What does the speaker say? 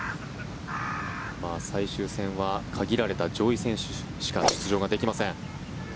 最終戦は限られた上位選手しか出場ができません。